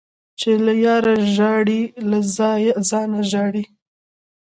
چي له ياره ژاړې ، له ځانه ژاړې.